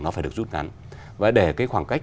nó phải được rút ngắn và để cái khoảng cách